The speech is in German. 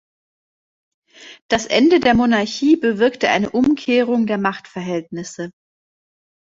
Das Ende der Monarchie bewirkte eine Umkehrung der Machtverhältnisse.